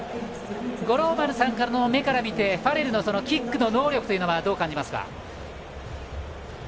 五郎丸さんの目から見てファレルのキック能力はどう感じますか？